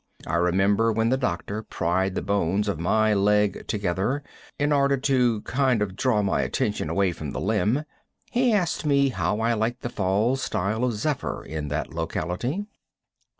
I remember when the doctor pried the bones of my leg together, in order to kind of draw my attention away from the limb, he asked me how I liked the fall style of Zephyr in that locality.